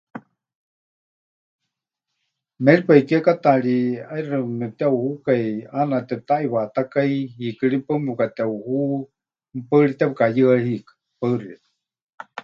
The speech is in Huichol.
Méripai kiekátaari ʼaixɨ mepɨteʼuhukai, ʼaana tepɨtaʼiwatákai, hiikɨ ri paɨ mepɨkateʼuhu, mɨpaɨ ri tepɨkayɨa hiikɨ. Paɨ xeikɨ́a.